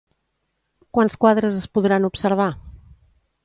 Quants quadres es podran observar?